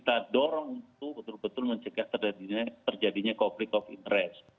akan kita dorong untuk betul betul mencegah terjadinya koblegok interes